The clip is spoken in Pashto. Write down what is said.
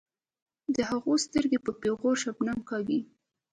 د هغو سترګې په پیغور شبنم کاږي.